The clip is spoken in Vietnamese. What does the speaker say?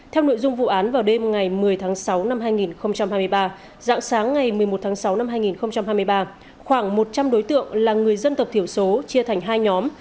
theo nội dung vụ án vào đêm ngày một mươi tháng sáu năm hai nghìn hai mươi ba dạng sáng ngày một mươi một tháng sáu năm hai nghìn hai mươi ba khoảng một trăm linh đối tượng là người dân tộc thiểu số chia thành hai nhóm